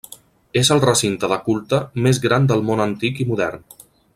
És el recinte de culte més gran del món antic i modern.